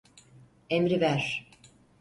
Emri ver.